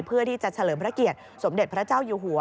เพื่อที่จะเฉลิมพระเกียรติสมเด็จพระเจ้าอยู่หัว